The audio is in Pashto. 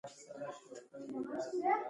فورک لیفټ په احتیاط وکاروئ.